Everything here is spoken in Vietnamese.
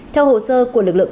theo hồ sơ của lực lượng